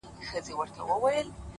زړورتیا د عمل کولو توان دی،